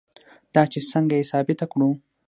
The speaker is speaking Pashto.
دا چې څنګه یې ثابته کړو.